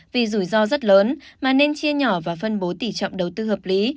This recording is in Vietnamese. vì rủi ro rất lớn mà nên chia nhỏ và phân bố tỷ trọng đầu tư hợp lý